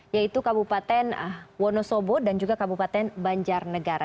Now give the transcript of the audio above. yaitu kabupaten wonosobo dan juga kabupaten banjarnegara